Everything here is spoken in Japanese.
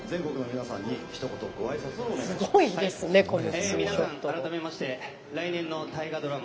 皆さん、改めまして来年の大河ドラマ